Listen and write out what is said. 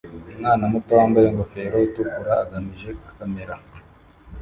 Umwana muto wambaye ingofero itukura agamije kamera